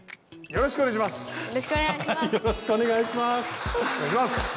よろしくお願いします。